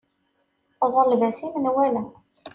Ḍleb-as i menwala.